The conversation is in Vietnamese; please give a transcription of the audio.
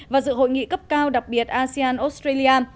và dự hội nghị cấp cao đặc biệt asean australia